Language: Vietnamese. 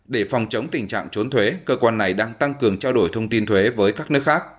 để phòng chống tình trạng trốn thuế cơ quan này đang tăng cường trao đổi thông tin thuế với các nước khác